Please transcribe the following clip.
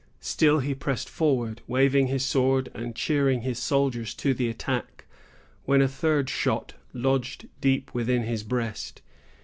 Still he pressed forward, waving his sword and cheering his soldiers to the attack, when a third shot lodged deep within his breast.